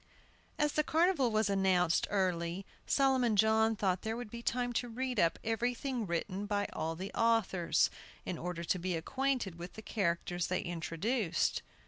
As the carnival was announced early Solomon John thought there would be time to read up everything written by all the authors, in order to be acquainted with the characters they introduced.